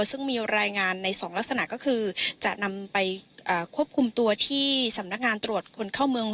ซึ่งมีรายงานใน๒ลักษณะก็คือจะนำไปควบคุมตัวที่สำนักงานตรวจคนเข้าเมือง